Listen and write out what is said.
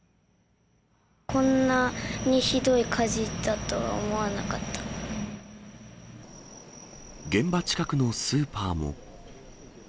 こんなにひどい火事だとは思現場近くのスーパーも。